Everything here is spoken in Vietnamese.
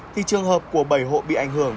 thì trường hợp của bảy hộ bị ảnh hưởng